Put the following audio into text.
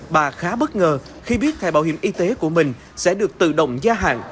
bà khá bất ngờ khi biết thẻ bảo hiểm y tế của mình sẽ được tự động gia hạn